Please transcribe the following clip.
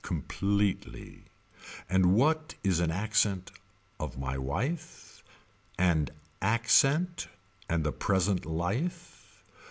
Completely. And what is an accent of my wife. And accent and the present life.